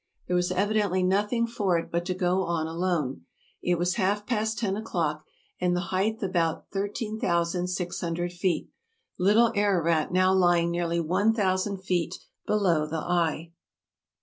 There was evidently nothing for it but to go on alone. It was half past ten o'clock, and the height about 13,600 feet, Little Ararat now lying nearly one thousand feet below the eye.